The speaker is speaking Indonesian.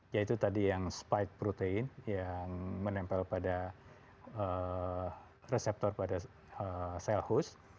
yaitu tadi yang spike protein yang menempel pada reseptor pada sel khusus